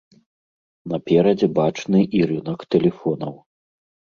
Наперадзе бачны і рынак тэлефонаў.